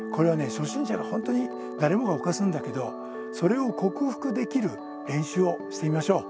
初心者が本当に誰もが犯すんだけどそれを克服できる練習をしてみましょう。